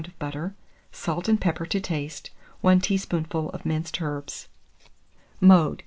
of butter, salt and pepper to taste, 1 teaspoonful of minced herbs. Mode.